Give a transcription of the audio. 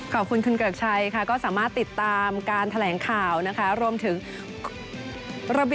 ขอบคุณคุณเกิรกชัยค่ะ